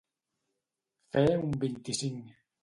Fet un vint-i-cinc.